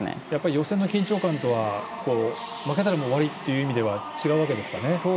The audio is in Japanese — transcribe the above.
予選の緊張感とは負けたら終わりという意味では違うわけですかね？